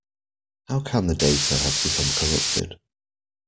How can the data have become corrupted?